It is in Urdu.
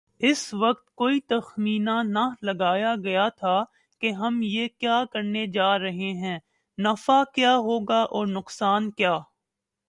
اس وقت کوئی تخمینہ نہ لگایاگیاتھا کہ ہم یہ کیا کرنے جارہے ہیں‘ نفع کیا ہوگا اورنقصان کیا۔